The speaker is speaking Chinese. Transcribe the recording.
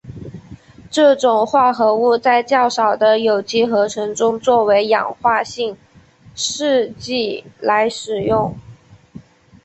这种化合物在较少的有机合成中作为氧化性试剂来使用。